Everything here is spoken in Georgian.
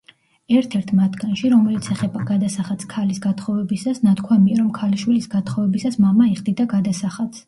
ერთ-ერთ მათგანში, რომელიც ეხება გადასახადს ქალის გათხოვებისას ნათქვამია, რომ ქალიშვილის გათხოვებისას მამა იხდიდა გადასახადს.